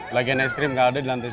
lagian es krim gak ada di lantai sini